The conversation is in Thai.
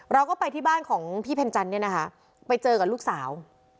เราก็ไปที่บ้านของพี่เพ็ญจันเนี่ยนะคะไปเจอกับลูกสาว